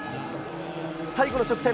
最後の直線。